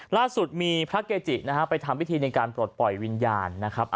ล่าสุดมีพระเกจินะฮะไปทำพิธีในการปลดปล่อยวิญญาณนะครับ